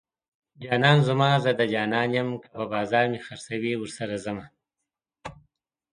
جانان زما زه د جانان یم که په بازار مې خرڅوي ورسره ځمه